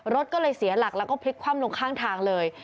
รถก็เลยเสียหลักแล้วก็พลิกคว่ำลงข้างทางเลย